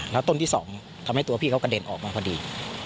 แล้วต้นที่๒ทำให้ตัวพี่เขากระเด็นออกมาพอดี